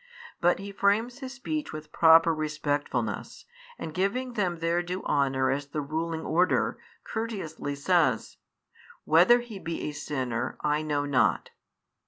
But he frames h.is speech with proper respectfulness, and giving them their due honour as the ruling order, courteously says: Whether He he a sinner, I know not.